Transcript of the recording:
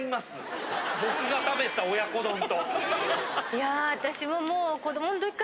いや私はもう。